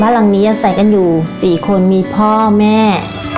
บ้านหลังนี้อย่าใส่กันอยู่๔คนมีพ่อแม่